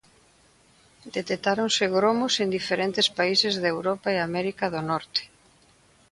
Detectáronse gromos en diferentes países de Europa e América do Norte.